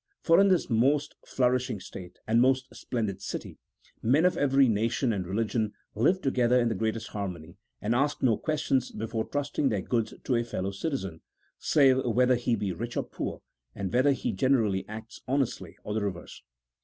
For in this most nourishing state, and most splendid city, men of every nation and religion live together in the greatest harmony, and ask no questions before trusting their goods to a fellow citizen, save whether he be rich or poor, and whether he generally acts honestly, or the reverse.